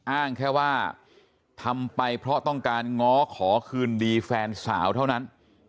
อ้างแค่ว่าทำไปเพราะต้องการง้อขอคืนดีแฟนสาวเท่านั้น